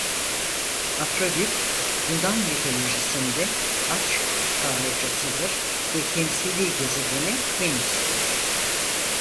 Afrodit Yunan Mitolojisi'nde aşk tanrıçasıdır ve temsilî gezegeni Venüs'tür.